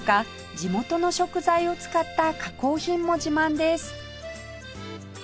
地元の食材を使った加工品も自慢です